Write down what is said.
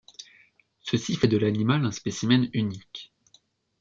Ceci fait de l’animal un spécimen unique.